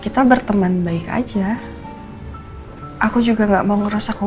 terima kasih banyak banyak